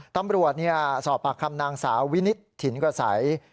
ตำรวจสอบปากคำนางสาววินิตถิ่นกระสัย